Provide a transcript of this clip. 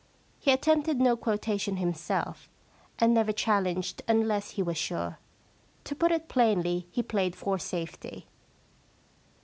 He attempted no quota tion himself, and never challenged unless he was sure. To put it plainly, he played for safety.